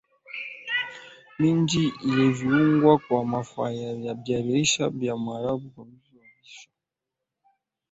Miji Iliyoundwa na wafanyabiashara wa waarabu na viungo vya Kiarabu